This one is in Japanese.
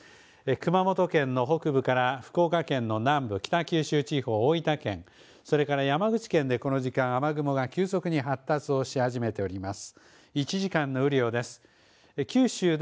熊本県の北部から福岡県の南部、北九州地方、大分県、それから山口県でこの時間雨雲が急速に発達をし始めております。